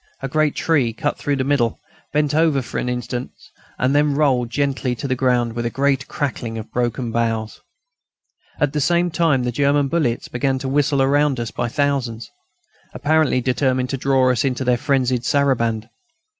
A great tree, cut through the middle, bent over for an instant and then rolled gently to the ground with a great crackling of broken boughs. At the same time the German bullets began to whistle round us by thousands, apparently determined to draw us into their frenzied saraband.